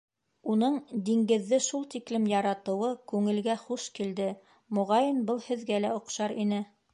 Уның диңгеҙҙе шул тиклем яратыуы күңелгә хуш килде, моғайын, был һеҙгә лә оҡшар ине.